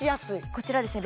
こちらですね